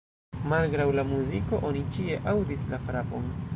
Malgraŭ la muziko, oni ĉie aŭdis la frapon.